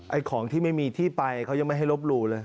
ของที่ไม่มีที่ไปเขายังไม่ให้ลบหลู่เลย